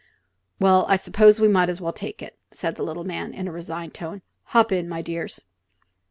"Well, I suppose we may as well take it," said the little man, in a resigned tone. "Hop in, my dears."